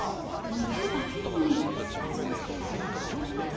肉だけに味をつけたいなと思います。